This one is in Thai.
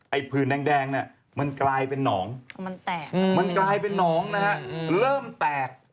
ไอ้ผื่นแดงมันกลายเป็นหนองนะฮะเริ่มแตก